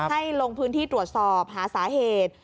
ให้ลงพื้นที่ตรวจสอบหาสาเหตุ